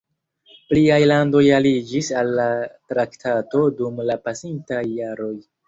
Pliaj landoj aliĝis al la traktato dum la pasintaj jaroj.